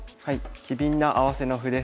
「機敏な合わせの歩」です。